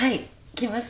来ます。